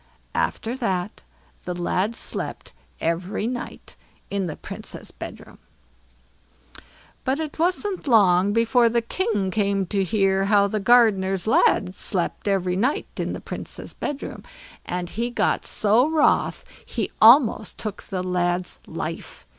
After that the lad slept every night in the Princess' bedroom. But it wasn't long before the King came to hear how the gardener's lad slept every night in the Princess' bedroom; and he got so wroth he almost took the lad's life.